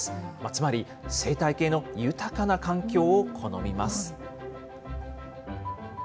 つまり、生態系の豊かな環境を好みます。